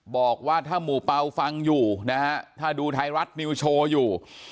บอกว่าถ้าหมู่เป่าฟังอยู่นะฮะถ้าดูไทยรัฐนิวโชว์อยู่